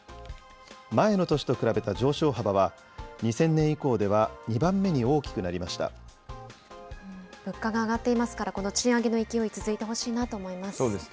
前の年と比べた上昇幅は、２０００年以降では２番目に大きくなり物価が上がっていますから、この賃上げの勢い、続いてほしいなと思います。